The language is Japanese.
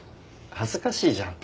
恥ずかしいじゃん。